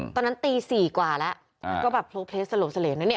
ตอนนั้นตี๔กว่าแล้วก็แบบโผล่เผลอนั่นเนี่ย